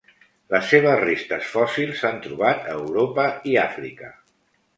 Les seves restes fòssils s'han trobat a Europa i Àfrica.